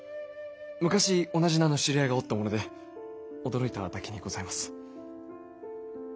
昔同じ名の知り合いがおったもので驚いただけにございます。